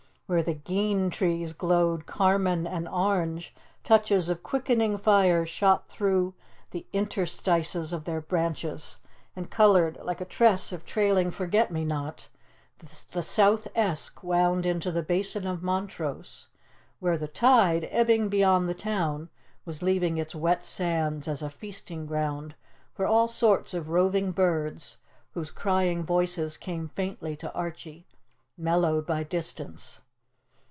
Where the gean trees glowed carmine and orange, touches of quickening fire shot through the interstices of their branches, and coloured like a tress of trailing forget me not, the South Esk wound into the Basin of Montrose, where the tide, ebbing beyond the town, was leaving its wet sands as a feasting ground for all sorts of roving birds whose crying voices came faintly to Archie, mellowed by distance.